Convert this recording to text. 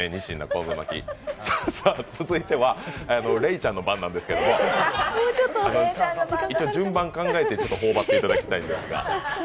続いてはレイちゃんの番なんですけど一応順番考えて頬張っていただきたいんですが。